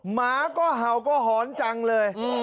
หมาก็เห่าก็หอนจังเลย